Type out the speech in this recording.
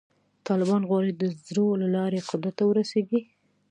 طالبان غواړي د زور له لارې قدرت ته ورسېږي.